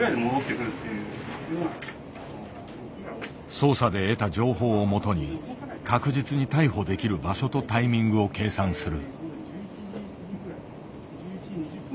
捜査で得た情報をもとに確実に逮捕できる場所とタイミングを計算する。